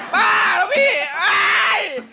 บ้าแล้วพี่